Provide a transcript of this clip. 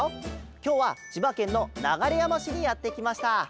きょうはちばけんのながれやましにやってきました。